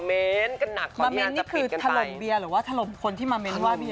มะเม้นท์นี่คือถล่มเบียร์หรือว่าถล่มคนที่มะเม้นท์ว่าเบียร์